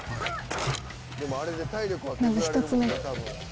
まず１つ目。